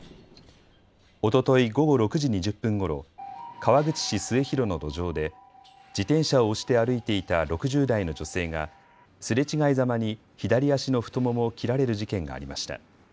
おととい午後６時２０分ごろ、川口市末広の路上で自転車を押して歩いていた６０代の女性がすれ違いざまに左足の太ももを切られる事件がありました。